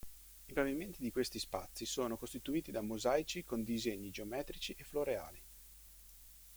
I pavimenti di questi spazi sono costituiti da mosaici con disegni geometrici e floreali.